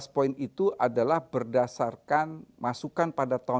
empat belas poin itu adalah berdasarkan masukan pada tahun dua ribu sembilan belas